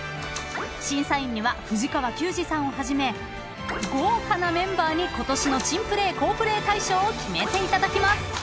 ［審査員には藤川球児さんをはじめ豪華なメンバーにことしの珍プレー好プレー大賞を決めていただきます］